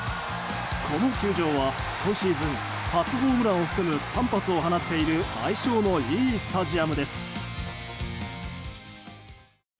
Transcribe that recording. この球場は今シーズン初ホームランを含む３発を放っている相性のいいスタジアムです。